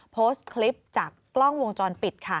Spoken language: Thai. โพสต์คลิปจากกล้องวงจรปิดค่ะ